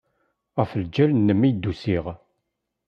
Ɣef lǧal-nnem ay d-usiɣ.